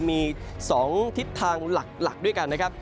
มี๒ทิศทางหลักด้วยกันนะครับ